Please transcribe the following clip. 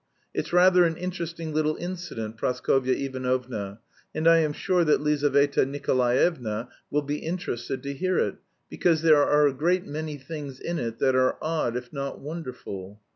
It's rather an interesting little incident, Praskovya Ivanovna, and I am sure that Lizaveta Nikolaevna will be interested to hear it, because there are a great many things in it that are odd if not wonderful.